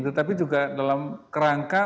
tetapi juga dalam kerangka